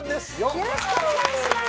よろしくお願いします